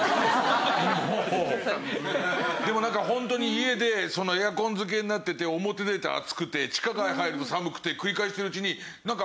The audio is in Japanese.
でもなんかホントに家でエアコン漬けになってて表出て暑くて地下街入ると寒くて繰り返してるうちになんか。